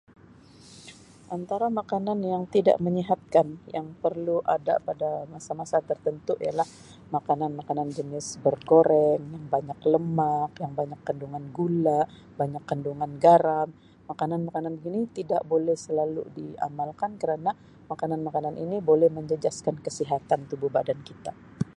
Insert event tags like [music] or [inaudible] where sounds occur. [noise] Antara makanan yang tidak menyihatkan yang perlu ada pada masa-masa tertentu ialah makanan-makanan jenis bergoreng, yang banyak lemak, yang banyak kandungan gula, banyak kandungan garam, makanan-makanan gini tidak boleh selalu diamalkan kerana makanan-makanan ini boleh menjejaskan kesihatan tubuh badan kita.